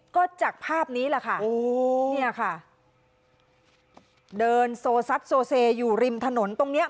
ก็จากภาพนี้แหละค่ะโอ้เนี่ยค่ะเดินโซซัดโซเซอยู่ริมถนนตรงเนี้ย